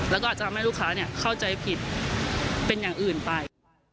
แล้วก็อาจจะทำให้ลูกค้าเข้าใจผิดเป็นอย่างอื่นไป